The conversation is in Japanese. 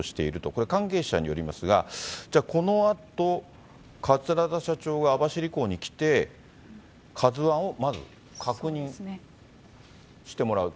これ、関係者によりますが、じゃあこのあと、桂田社長が網走港に来て、ＫＡＺＵＩをまず確認してもらう。